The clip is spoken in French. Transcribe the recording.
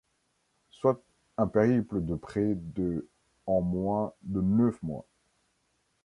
Soit un périple de près de en moins de neuf mois.